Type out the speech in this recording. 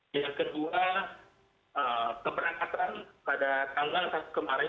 yang kedua keberangkatan pada tanggal satu kemarin